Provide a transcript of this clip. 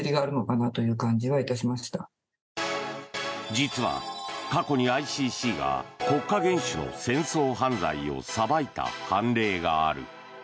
実は、過去にＩＣＣが国家元首の戦争犯罪を裁いた判例がある。